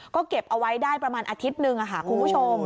ก็เก็บเอาไว้ได้ประมาณอาทิตย์หนึ่งค่ะคุณผู้ชม